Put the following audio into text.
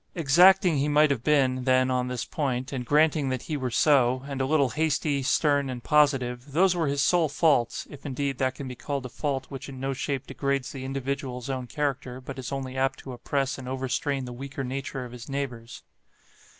Exacting he might have been, then, on this point; and granting that he were so, and a little hasty, stern, and positive, those were his sole faults (if, indeed, that can be called a fault which in no shape degrades the individual's own character; but is only apt to oppress and overstrain the weaker nature of his neighbours).